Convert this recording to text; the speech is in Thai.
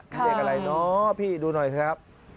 มีเลขอะไรเนาะพี่ดูหน่อยสิครับ